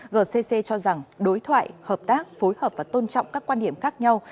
gcc cho rằng đối thoại hợp tác phối hợp và tôn trọng các quan điểm khác nhau